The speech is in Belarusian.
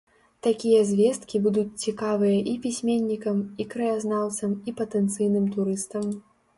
Такія звесткі будуць цікавыя і пісьменнікам, і краязнаўцам, і патэнцыйным турыстам.